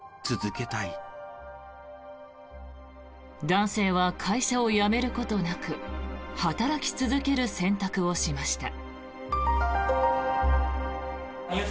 男性は会社を辞めることなく働き続ける選択をしました。